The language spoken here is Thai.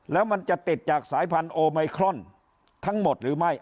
แล้วมันจะติดจากสายพันธุ์โอไมครอนทั้งหมดหรือไม่